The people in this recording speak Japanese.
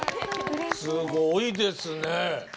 すごいですね。